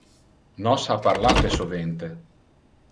Nos ha parlate sovente.